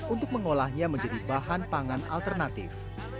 untuk mengolahnya menjadi bahan pangan alternatif